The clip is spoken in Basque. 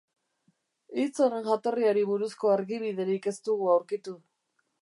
Hitz horren jatorriari buruzko argibiderik ez dugu aurkitu.